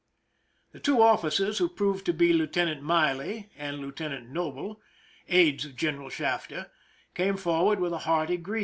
The two officers, who proved to be Lieutenant Miley and Lieutenant Noble, aides of General Shafter, came forward with a hearty greeting.